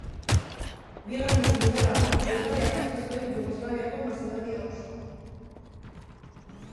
Bigarren Mundu Gerran, Bulgariak hartu zuen Jugoslaviako Mazedonia osoa.